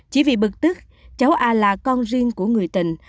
chỉ vì bực tức cháu a là con riêng của người tình